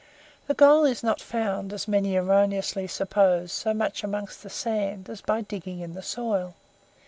The gold is not found, as many erroneously suppose, so much among the sand as by digging in the soil.